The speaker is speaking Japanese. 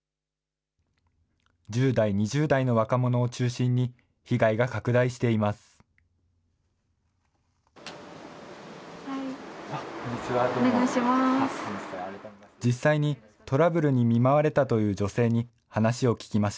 １０代、２０代の若者を中心に被害が拡大しています。